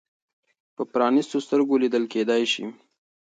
په پرانیستو سترګو لیدل کېدای شي.